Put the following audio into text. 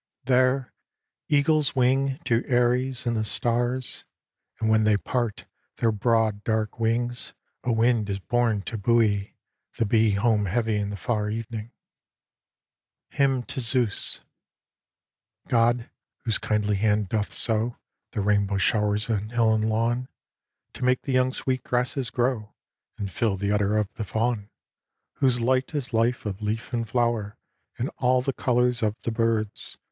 There eagles wing To eyries in the stars, and when they part Their broad dark wings a wind is born to buoy The bee home heavy in the far evening." HYMN TO ZEUS " GrOD, whose kindly hand doth sow The rainbow showers on hill and lawn, To make the young sweet grasses grow And fill the udder of the fawn. Whose light is life of leaf and flower. And all the colours of the birds.